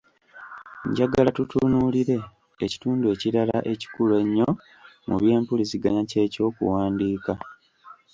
Njagala tutunuulire ekitundu ekirala ekikulu ennyo mu by’empuliziganya kye ky’okuwandiika.